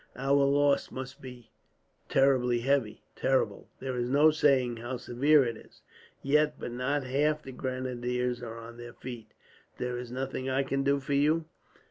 "Our loss must be terribly heavy." "Terrible! There is no saying how severe it is, yet; but not half the grenadiers are on their feet. "There is nothing I can do for you?"